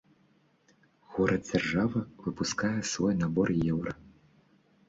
Горад-дзяржава выпускае свой набор еўра.